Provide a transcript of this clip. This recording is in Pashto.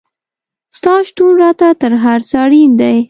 ستا شتون راته تر هر څه اړین دی